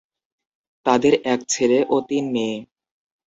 তাদের এক ছেলে ও তিন মেয়ে।